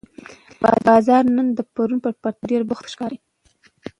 بازار نن د پرون په پرتله ډېر بوخت ښکاري